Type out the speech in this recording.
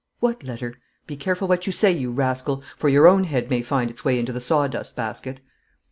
'What letter? Be careful what you say, you rascal, for your own head may find its way into the sawdust basket.'